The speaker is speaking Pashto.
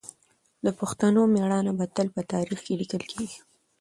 د پښتنو مېړانه به تل په تاریخ کې لیکل کېږي.